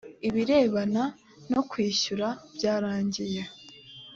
ibirebana nokwishyura byarangiye